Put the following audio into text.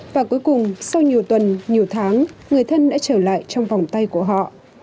và cuối cùng sau nhiều tuần nhiều tháng người thân đã trở lại trong vòng tay của họ